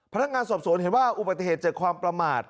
พนักงานสอบสวนเห็นว่าอุบัติเหตุจากความประมาท